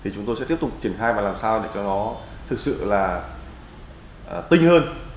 chúng tôi sẽ tiếp tục triển khai và làm sao để cho nó thực sự là tinh hơn